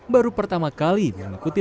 baru pertama kali mengikuti